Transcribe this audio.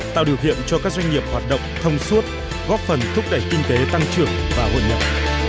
tạo điều kiện cho các doanh nghiệp hoạt động thông suốt góp phần thúc đẩy kinh tế tăng trưởng và hội nhập